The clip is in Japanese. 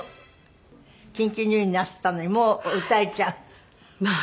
緊急入院なすったのにもう歌えちゃう？